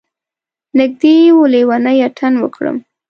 نږدې و لیونی اتڼ وکړم.